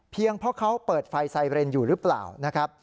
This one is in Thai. เพียงเพราะเขาเปิดไฟไซเรนอยู่หรือเปล่า